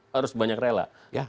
harus banyak rela